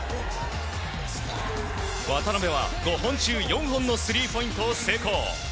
渡邊は５本中４本のスリーポイントを成功。